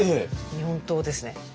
日本刀ですね。